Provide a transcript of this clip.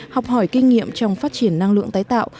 học hỏi kinh nghiệm trong phát triển năng lượng tái tạo